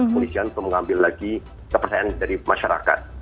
polisian untuk mengambil lagi kepercayaan dari masyarakat